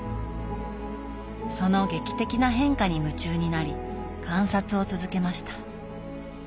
その劇的な変化に夢中になり観察を続けました。